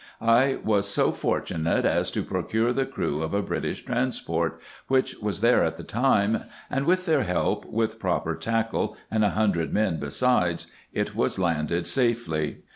I was so fortunate as to procure the crew of a British transport, which was there at the time; and with their help, with proper tackle, and a hundred men besides, it was landed safely.